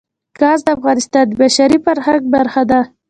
ګاز د افغانستان د بشري فرهنګ برخه ده.